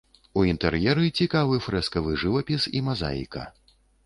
У інтэр'еры цікавы фрэскавы жывапіс і мазаіка.